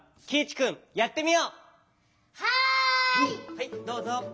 はいどうぞ。